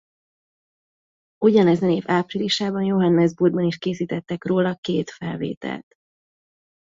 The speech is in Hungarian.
Ugyanezen év áprilisában Johannesburgban is készítettek róla két felvételt.